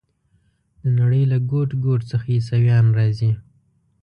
د نړۍ له ګوټ ګوټ څخه عیسویان راځي.